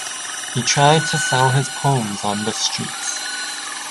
He tried to sell his poems on the streets.